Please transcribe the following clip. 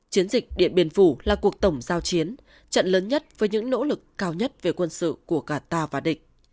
chiến dịch điện biên phủ là cuộc tổng giao chiến trận lớn nhất với những nỗ lực cao nhất về quân sự của qatar và địch